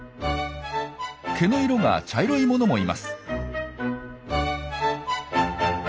毛の色が茶色いものもいます。